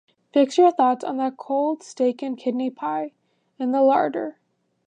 Fix your thoughts on that cold steak-and-kidney pie in the larder.